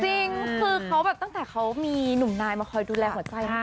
จริงคือเขาแบบตั้งแต่เขามีหนุ่มนายมาคอยดูแลหัวใจนะ